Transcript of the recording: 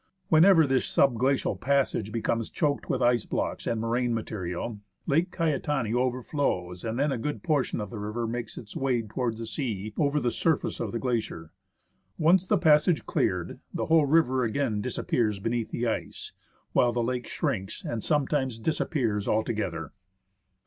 When ever this sub glacial passage becomes choked with ice blocks and moraine material, Lake Caetani overflows, and then a good portion of the river makes its way towards the sea over the surface of the glacier. Once the passage cleared, the whole river again disappears beneath the ice ; while the lake shrinks and sometimes disappears altogether.